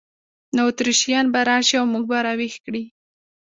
نو اتریشیان به راشي او موږ به را ویښ کړي.